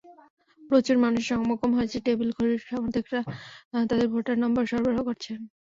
প্রচুর মানুষের সমাগম হয়েছে, টেবিল ঘড়ির সমর্থকেরা তাদের ভোটার নম্বর সরবরাহ করছে।